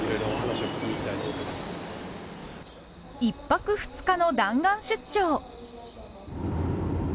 １泊２日の弾丸出張。